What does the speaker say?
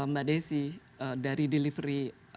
mbak desi dari delivery